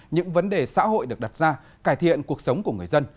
những vấn đề xã hội được đặt ra cải thiện cuộc sống của người dân